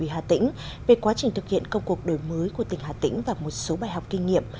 hà tĩnh về quá trình thực hiện công cuộc đổi mới của tỉnh hà tĩnh và một số bài học kinh nghiệm